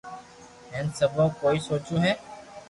ھين سبو ڪوئي سوچو ھي